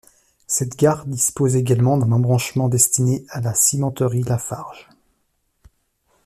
Cette gare dispose également d'un embranchement destiné à la cimenterie Lafarge.